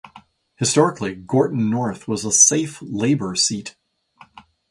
Historically Gorton North was a safe Labour seat.